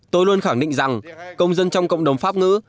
tôi luôn khẳng định rằng công dân trong cộng đồng pháp ngữ